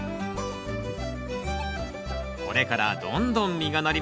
これからどんどん実がなります。